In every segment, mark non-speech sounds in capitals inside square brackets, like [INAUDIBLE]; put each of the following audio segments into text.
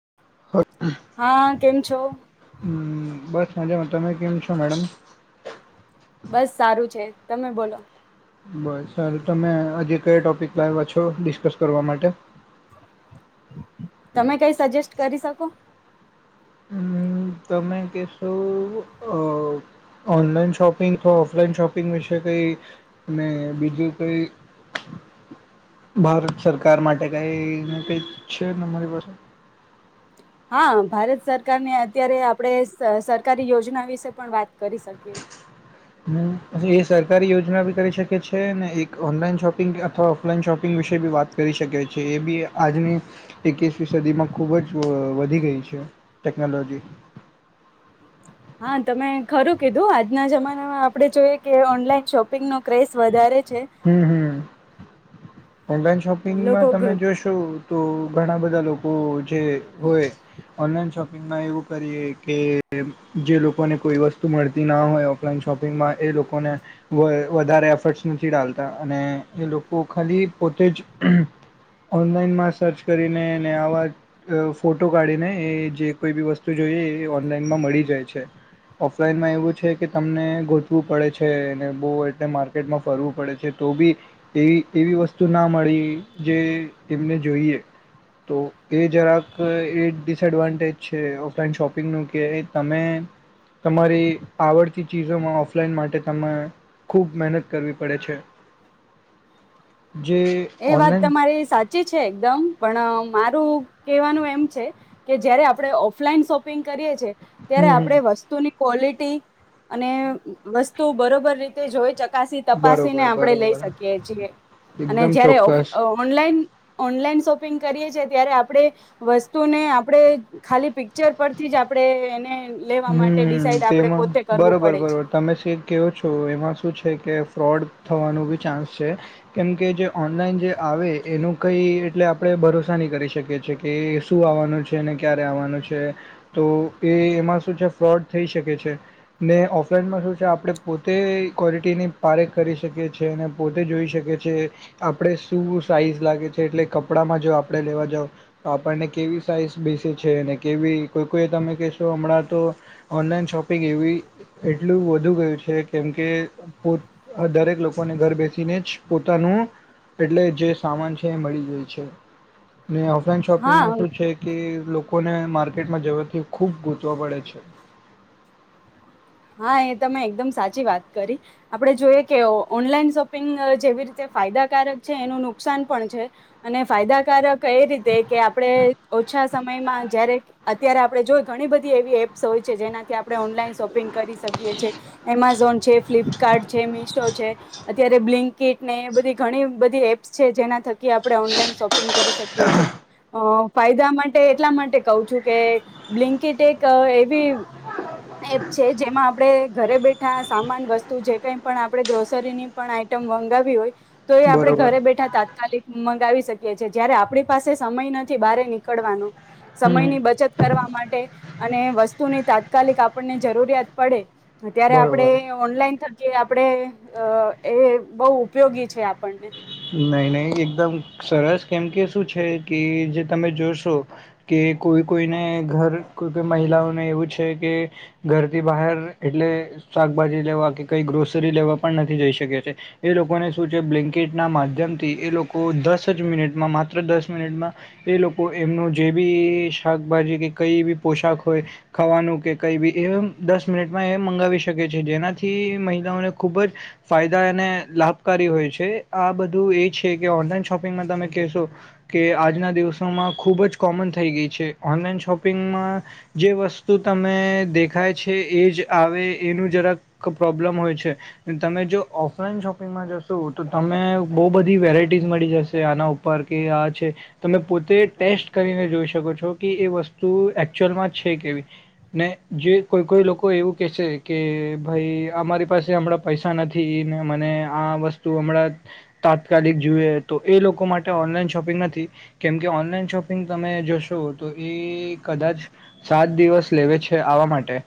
[INAUDIBLE] હા કેમ છો મજામા તમે કેમ છો, મેડમ બસ સારું છે, તમે બોલો બસ સર તમે આજે કયા ટોપિક લાવ્યા છો, ડિસ્કસ કરવા માટે તમે કઈ સજેસ્ટ કરી શકો. હમ્મ, તમે કેશો ઓનલાઈન શોપિંગ, અથવા ઓફલાઈન શોપિંગ વિશે કઈ બીજું કઈ, ભારત સરકાર માટે કઈ કઈ છેને, તમારી પાસે હા, ભારત સરકારની અત્યારે, આપણે સરકારી યોજના વિશે પણ વાત કરી શકીએ. હ, એ સરકારી યોજના બી કરી શકે છે, ને એક ઓનલાઈન શોપિંગ અથવા ઓફલાઈન શોપિંગ વિશે બી વાત કરી શકે છે, એ બી આજની એકસ સદીમાં ખુબજ વધી ગઈ છે, ટેકનોલોજી. હા, તમે ખરું કીધું આજના જમાનામા આપણે જોઈએ, કે ઓનલાઈન શોપિંગ નો ક્રેસ વધારે છે હમ, હમ. ઓનલાઈન શોપિંગમા, લોકો તમે ઘ જોશો તો ઘણા બધા લોકો જે હોય, ઓનલાઈન શોપ મા એવું કરીએ કે જે લોકોને કોઈ, વસ્તુ મળતીના હોય, ઓફલાઈન શોપિંગમાં એ લોકોને વધારે એફર્ટ્સનું. નથી, ડાલતા અને એ લોકો ખાલી પોતે જ ઓનલાઈનમા સર્ચ કરીને આવા ફોટો કાઢીને એ જે કોઈ બી વસ્તુ જોઈએ એ ઓનલાઈનમાં મળી જાય છે, ઓફલાઈનમાં એવું છે, કે તમને ગોતવું પડે છે, ને બહુ એટલે માર્કેટમા ફરવું પડે છે, તો બી એવી એવી વસ્તુ ના મળી જે એમને જોઈએ, તો એ જરાક એ ડિસએડવાન્ટેજ છે, ઓફલાઈન શોપિંગનું કે તમે તમારી આવડતી ચીજોમાં ઓફલાઈન માટે તમે ખૂબ મહેનત કરવી પડે છે. જે એ વાત ઓનલાઈન તમારી સાચી છે, એકદમ પણ મારું કહેવાનું એમ છે, કે જયારે આપણે ઓફલાઈન શોપિંગ કરીએ ત્યારે, હમ હમ આપણે વસ્તુની ક્વોલિટી અને વસ્તુ બરોબર, રીતે જોઈ, ચક ચકાસી તપાસી, ને બરોબર આપણે લઈ બરોબર. શકીએ, છીએ અને એકદમ જયારે, ઓફ ચોક્કસ ઓનલાઈન ઓનલાઈન શોપિંગ કરીએ છેએ, ત્યારે આપણે વસ્તુને આપણે ખાલી પિક્ચર પરથી જ આપણે એને લેવા માટે હમ, ડિસાઇડ આપણે તેમાં પોતે કરવું બરોબર, પડે છે બરોબર તમે શ કેહો છો, એમાં શું છે, કે ફ્રોડ થવાનું બી ચાન્સ છે, કેમકે જે ઓનલાઈન જે આવે એનું કંઈ એટલે આપણે ભરોસા નહીં, કરી શકીએ છીએ કે શું આવવાનું છે, ને ક્યારે આવવાનું છે, તો એ એમાં શું છે ફ્રોડ થઈ શકે છે, ને ઓફલાઈનમાં શું છે, આપણે પોતે ક્વૉલિટીની પારેખ કરી શકીએ છી, ને પોતે જોઈ શકીએ છ છેએ આપણે શું સાઇઝ લાગે છે એટલે કપડાંમાં જો આપણે લેવા જાઓ તો આપણને કેવી સાઇઝ બેસે છે, ને કેવી કોઈ કોઈ તમે કહેશો, હમણાં. તો ઓનલાઈન શોપિંગ એવી એટલું વધુ ગયું છે, કેમકે પો દરેક લોકોને ઘર બેસીને જ પોતાનું એટલે જે સામાન છે, એ મળી જાએ છે. ઓફલાઈન હા શોપિંગમાં શું છે, કે લોકોને માર્કેટમા જવાથી ખુબ ગૂતવા પડે છે. અચછા હા, એ તમે એકદમ સાચી વાત કરી આપણે જોઈએ, કે ઓનલાઈન શોપિંગ જેવી રીતે ફાયદાકારક છે, એનું નુકસાન પણ છે, અને ફાયદાકારક. કઈ રીતે, કે આપણે ઓછા સમયમા જયારે અત્યારે, આપણે જોય ઘણી બધી એવી એપ્સ હોય છે, જેનાથી આપણે ઓનલાઈન શોપ કરી શકીએી, એમેઝોન છે ફ્લિપકાર્ટ છે, મિશો છે, અત્યારે બ્લિંક કીટ ને એ બધી ઘણી બધી એપ્સ છે, જેના થ કે આપણે ઓનલાઈન શોપિંગ, કરી શકીએ છે. અ ફાયદા માટે એટલા માટે કઉ છું, કે બ્લિંકીટેક એવી છે, જેમાં આપણે ઘરે બેઠા સામાન વસ્તુ, જે કઈ પણ આપણે ગ્રોસરીની પણ આઈટમ મંગાવી હોય. તો એ આપડે, બરોબર ઘરે હમ બેઠા તાત્કાલિક મંગાવી શકીી જયારે આપણી પાસે સમય નથી, બહાર નીકળવાનો હમ. સમયની બચત, કરવા માટે અને વસ્તુની તાત્કાલિક આપ પાને જરૂરિયાત, પડે અત્યારે, આપણે બરોબર ઓનલાઈન થ કે આપડે અ એ બહુ ઉપયોગી છે, આપણને નહી નહી એકદમ સરસ કેમ કે શું છે કે જે તમે જોશો કે કોઈ કોઈને ઘર કોઈ કોઈ મહિલાઓને એવું છે, કે ઘરથી બહાર એટલે શાકભાજી લેવા કે કઈ ગ્રોસરી લેવા પણ નથી જઈ શકે છે, એ લોકોને શું છે, બલિંકિત. ના માધ્યમથી એ લોકો દસ જ મિનિટમા માત્ર દસ મિનિટમા એ લોકો એમનું જે બી શાકભાજી કે કઈ બી પોશાક હોય, ખાવાનું કે કઈ બી એ દસ મિનિટમાં એ મંગાવી શકે છે, જેનાથી મહિલાઓને ખૂબજ ફાયદા અને લાભકારી હોય છે. આ બધું એ છે, કે ઓનલાઈન શોપિંગમાં તમે કહેશો કે આજના દિવસોમાં ખૂબજ કોમન થઈ ગઈ છે, ઓનલાઈન શોપિંગમાં જે વસ્તુ તમે દેખાય છે, એ જ આવે એનું જરાક પ્રોબ્લમ હોય છે, તમે જો ઓફલાઈન શોપિંગમાં જશો તો તમે બહુ બધી વેરાયટીઝ મળી જશે આના ઉપર કે આ છે, તમે પોતે ટેસ્ટ કરીને જોઈ શકો છો, કે એ વસ્તુ એકચ્યુઅલમાં છે, કેવી ને જે કોઈ કોઈ લોકો એવું કહેશે કે ભાઈ અમારી પાસે હમણાં પૈસા નથી, ને મને આ વસ્તુ હમણાં તાત્કાલિક જોુએ તો એ લોકો માટે ઓનલાઈન શોપિંગ નથી, કેમકે ઓનલાઈન શોપિંગ તમે જશો તો એ કદાચ સાત દિવસ લેવે છે, આવા માટે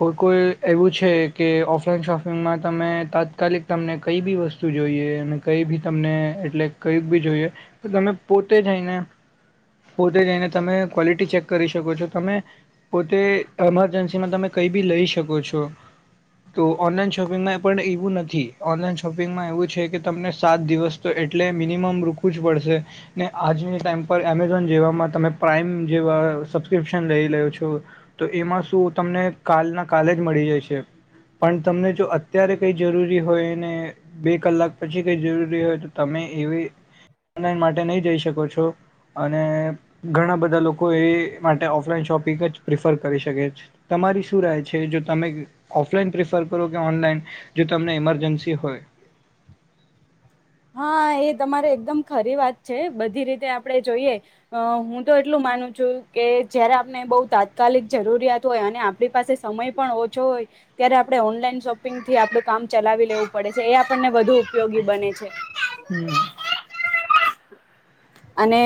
કોઈ કોઈ એવું છે, કે ઓફલાઈન શોપિંગમાં તમે તાત્કાલિક તમને કઈ બી વસ્તુ શું જોઈએ અને કંઈ બી તમને એટલે કંઈક બી જોઈએ, તો તમે પોતે જઈને પોતે જઈને તમે ક્વોલિટી ચેક કરી શકો છો. તમે પોતે એમરજન્સીમાં તમે કઈ બી લઈ શકો છો તો ઓનલાઈન શોપિંગમાં પણ એવું નથી, ઓનલાઈન શોપિંગ. પિંગમાં એવું છે, કે તમને સાત દિવસ તો એટલે મિનિમમ રૂકવું જ પડશે ને આજની ટાઈમ પર એમેઝોન જેવામાં તમે પ્રાાઈમ જેવા સબસ્ક્રિપ્શન લઈ લો્યો છો, તો એમાં શું તમને કાલના કાલે જ મળી જાય છે, પણ તમને જો અત્યારે કઈ જરૂરી હોયને બે કલાક પછી કઈ જરૂરી હોય, તો તમે એવી ઓનલાઈન માટે નહી, જઈ શકો છો અને ઘણા બધા લોકો એ માટે ઓફલાઈન શોપિંગ જ પ્રિફર કરી શકે તમારી શું રાય છે, જો તમે ઓફલાઈન પ્રિફર કરો કે ઓનલાઈન જો તમને ઈમરજન્સી હોય. હા, એ તમારે એકદમ ખરી વાત છે, બધી રીતે આપણે જોઈએ હું, તો એટલું માનું છું કે જયારે આપણે બહુ તાત્કાલિક જરૂરિયાત હોય અને આપણી પાસે સમય પણ ઓછો હોય ત્યારે આપણે ઓનલાઈન શોપિંગ થી આપડું કામ ચલાવી લેવું પડે છે, એ આપણને વધુ ઉપયોગી બને છે. હમ્મ. અને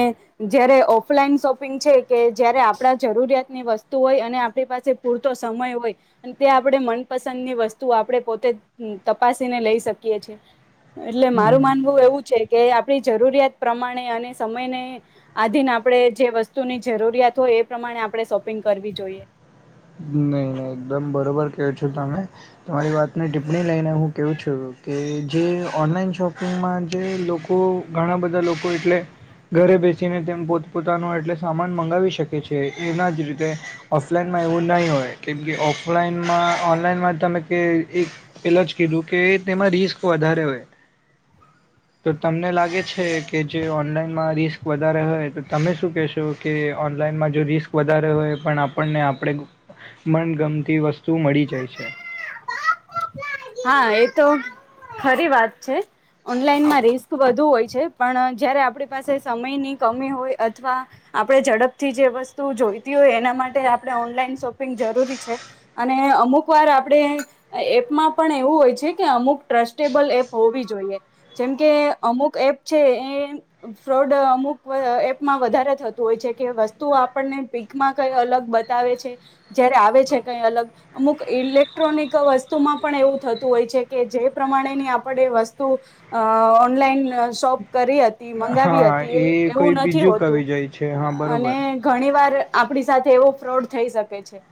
જયારે ઓફલાઈન શોપિંગ છે, કે જયારે આપણા જરૂરિયાતની વસ્તુ હોય, અને આપણી પાસે પૂરતો સમય હોય, તે આપણે મનપસંદની વસ્તુ આપણે પોતે તપાસીને લઈ શકીએ છે. એટલે મારું હમ માનવું એવું છે, કે આપણી જરૂરિયાત પ્રમાણે અને સમયને આધીન આપણે જે વસ્તુની જરૂરિયાત હોય, એ પ્રમાણે આપણે શોપિંગ કરવી જોઈએ. નહી, નહી એકદમ બરોબર. ક, છો તમે તમારી વાતને ટિપ્પણી લઈને હું, કહું છું. કે જે ઓનલાઈન શોપિંગમાં જે લોકો ઘણા બધા લોકો એટલે ઘરે બેસીને તેમ પોતપોતાનો એટલે સામાન મંગાવી શકે છે, એના જ રીતે ઓફલાઈન એવું નહી, હોય કેમકે ઓફલાઈનમાં ઓનલાઈન તમે એક પેલા જ કીધું કે તેમાં રિસ્ક વધારે હોય. તો તમને લાગે છે કે જે ઓનલાઈનમાં રિસ્ક વધારે હોય તો તમે શું કહેશો કે ઓનલાઈનમાં જો રિસ્ક વધારે હોય, પણ આપણને આપણે મનગમતી વસ્તુ મળી જાય છે. હા, એ તો ખરી વાત છે, ઓનલાઈનમા રિસ્ક વધુ હોય છે પણ જયારે આપણી પાસે સમયની કમી હોય અથવા આપણે ઝડપથી જે વસ્તુ જોઈતી હોય, એના માટે આપણે ઓનલાઈન શોપિંગ જરૂરી છે, અને અમુક વાર આપણે એપમાં પણ એવું હોય છે, કે અમુક ટ્રસ્ટેબલ એપ હોવી જોઈએ જેમ કે અમુક એપ છે, એ ફ્રોડ અમુક એપમાં વધારે થતું હોય છે, કે વસ્તુઓ આપણને પીકમાં કઈ અલગ બતાવે છે, જારે આવે છે, કઈ અલગ અમુક ઇલેક્ટ્રોનિક વસ્તુ વતુમાં પણ એવું થતું હોય છે, કે જે પ્રમાણેની આપણે વસ્તુ અ ઓનલાઈન શોપ કરી હતી, મંગાવી હા હતી એ કોઈ એવું નથી, બીજું હોતું કવિ જાય છે હા અને બરોબર ઘણી વાર આપણી સાથે એવો ફ્રોડ થઈ શકે છે.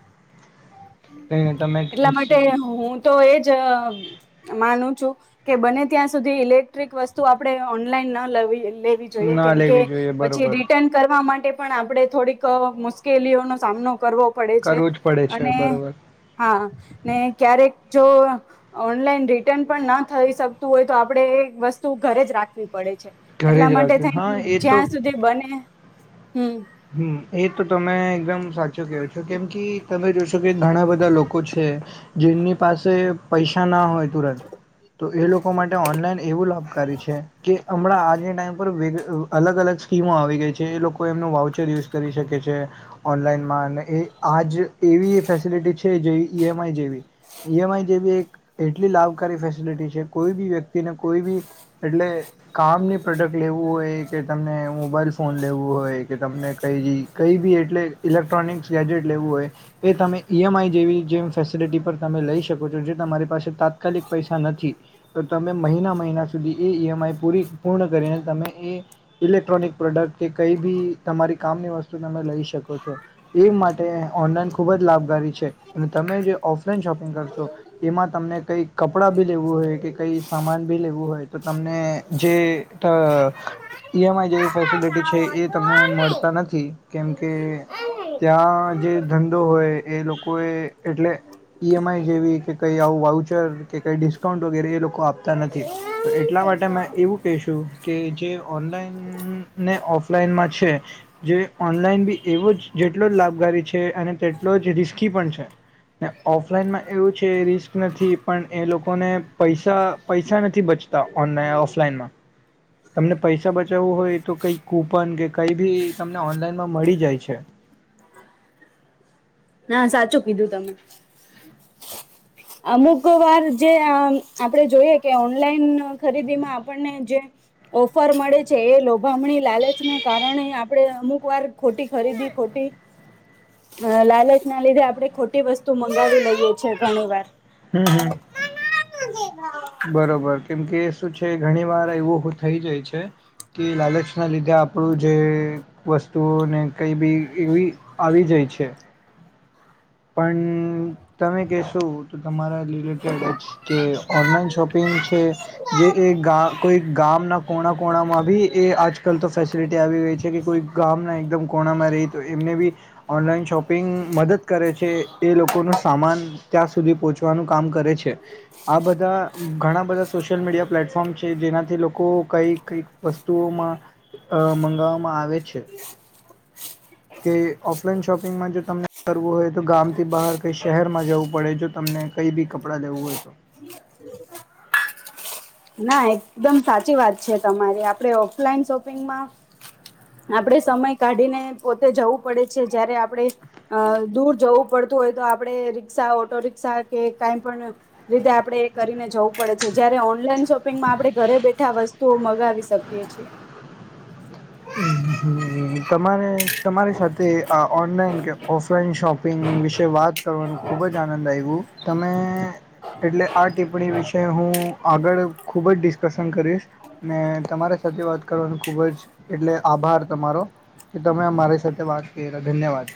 તે તમે એટલા માટે ખેશો હું તો એજ આહ માનું છું કે બને ત્યાં સુધી ઇલેક્ટ્રિક વસ્તુ આપણે ઓનલાઈન ના લવવી લેવી જોઈએ ના કેમ કે લેવી જોઈએ પછી બરોબર રિટર્ન કરવા માટ ટે પણ આપણે થોડીક અહ મુશ્કેલીઓનો સામનો કરવો પડે છે કરવું જ પડે છે અને બરોબર હા ને એ જો ઓનલાઈન રિટર્ન પણ ના થઈ શકતું હોય તો આપડે એ વસ્તુ ઘરે જ રાખવી પડે છે. ઘરે એટલા જ માટે રાખ્યું થઈ જ્યાં સુધી બને હમ હમ્મ એ તો તમે એકદમ સા ચુ કયો છો કેમ કી તમે જોશ કે ઘણા બધા લોકો છે જેની પાસે પૈસા ના હોય ધુરંન એ લોકો માટે ઓનલાઈન એવું લાભકારી છે કે હમણાં આજ ને ટાઈમ પર વે અલગ અલગ સ્કીમો આવી ગઈ છે એ લોકો એમનું વાવ ચર યુઝ કરી શકે છે ઓનલાઈનમાં અને એ આ જ એવી ફેસિલિટી છે જેવી ઈ એમ આઈ જેવી ઈ એમ આઈ જેવી એક એટલી લાભકારી ફેસિલિટી છે કોઈ બી વ્યક્તિને કોઈ બી એટલે કામની પ્રોડક્ટ લેવું હોય કે તમને મોબાઈલ ફોન લેવું હોય કે તમને કંઈ બી કંઈ બી એટલે ઇલેક્ટ્રોનિક્સ ગેજેટ લેવું હોય એ તમે ઈ એમ આઈ જેવી જેમ ફેસિલિટી પર તમે લઈ શકો છો જે તમારી પાસે તાત્કાલિક પૈસા નથી તો તમે મહિના મહિના સુધી એ ઈ એમ આઈ પૂરી પૂર્ણ કરીને તમે એ ઇલેક્ટ્રોનિક પ્રોડક્ટ કે કંઈ બી તમારી કામની વસ્તુ તમે લઈ શકો છો એ માટે ઓનલાઈન ખૂબ જ લાભકારારી છે અને તમે જે ઓફલાઈન શોપિંગ કરશો એમાં તમને કંઈ કપડાં બી લેવું હોય કે કંઈ સામાન બી લેવું હોય તો તમને જે ત ઈ એમ આઈ જેવી ફેસિલિટી છે એ ત ને મળતા નથી કેમકે ત્યાં જે ધંધો હોય એ લોકો એ એટલે ઈ એમ આઈ જેવી કે કઈ આવું વાઉચર કે કઈ ડિસ્કાઉન્ટ વગેરે એ લોકો આપતા નથી. તો એટલા માટે મેં એવું કહેશું કે જે ઓનલાઈન ને ઓફલાઈનમાં છે જે ઓનલાઈન બી એવો જ જેટલો જ લાભકારારી છે અને તેટલો જ રિસ્કી પણ છે. ને એ ઓફલાઈનમાં એવું છે રિસ્ક નથી પણ એ લોકોને પૈસા પૈસા નથી બચતા ઓ ઓફલાઈનમાં તમને પૈસા બચાવવું હોય તો કઈ કૂપન કે કઈ બી તમ ઓનલાઈનમાં મળી જાય છે. ના સાચું કીધું તમે. અમુક વાર જે આહ આપડે જોઈએ કે ઓનલાઈન ખરીદીમાં આપણને જે ઓફર મળે છે એ લોભામણી લાલચને કારણે આપણે અમુક વાર ખોટી ખરીદી ખોટી અહ લાલચના લીધે આપણે ખોટી વસ્તુ મંગાવી લઈએ છે ઘણીવાર. હમ્મ, હમ્મ. બરોબર કેમકે શું છે ઘણી વાર એવું થઈ જાય છે કે લાલચના લીધે આપણું જે વસ્તુઓ ને કઈ બી એવી આવી જાય છે. પણ તમે કેશો તો તમારા રિલેટેડ જ કે ઓનલાઈન શોપિંગ છે જે એ ગા કોઈ ગામના કોણા કોણામાં બી એ આજકાલ તો ફેસિલિટી આવી રહી છે કે કોઈ ગામના એકદમ કોણામાં રહી તો એમને બી ઓનલાઈન શોપિંગ મદદ કરે છે એ લોકોનું સામાન ત્યાં સુધી પહોંચવાનું કામ કરે છે. આ બધા ઘણા બધા સોશિયલ મીડિયા પ્લેટફોર્મ છે જેનાથી લોકો કઈ કઈ વસ્તુઓમાં અહ મંગાવામાં આવે છે. કે ઓફલાઈન શોપિંગમાં જો તમને કરવું હોય તો ગામથી બહાર કઈ શહેરમાં જવું પડે જો તમને કઈ બી કપડા લેવું હોય તો. ના એકદમ સાચી વાત છે તમારી. આપડે ઓફલાઈન શોપિંગમાં આપણે સમય કાઢીને પોતે જવું પડે છે જયારે આપણે અહ દૂર જવું પડતું હોય તો આપણે રિક્ષા ઓટો રિકષા કે કઈ પણ રીતે આપણે એ કરીને જવું પડે છે. જયારે ઓનલાઈન શોપિંગમાં આપણે ઘરે બેઠા વસ્તુઓ મગાવી શકીએ છે. હમ્મ હમ્મ તમારે તમારી સાથે અહ ઓનલાઈન કે ઓફલાઈન શોપિંગ વિશે વાત કરવાનું ખૂબ જ આનંદ આવ્યું. તમે એટલે આ ટિપ્પણી વિશે હું આગળ ખૂબ જ ડિસ્કશન કરીશ. ને તમારા સાથે વાત કરવાનું ખૂબ જ એટલે આભાર તમારો કે તમે અ મારી સાથે વાત કરીરા ધન્યવાદ.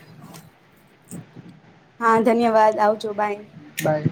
હા ધન્યવાદ આવજો બાય. બાય.